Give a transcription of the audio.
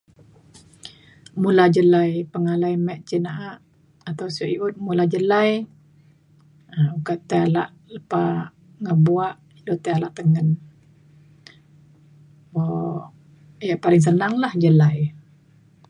mula jelai pengalai me cin na’a atau sio i’ut mula jelai um kak tai ala lepa ngebuak ilu tai ala tengen. buk yak paling senang lah jelai.